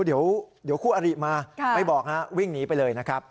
เดี๋ยวคู่อริมาไม่บอกฮะวิ่งหนีไปเลยนะครับ